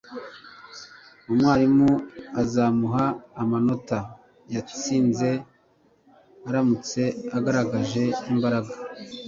umwarimu azamuha amanota yatsinze aramutse agaragaje imbaraga